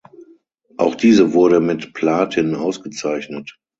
Auch diese wurde mit Platin ausgezeichnet.